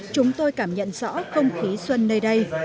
chúng tôi cảm nhận rõ không khí xuân nơi đây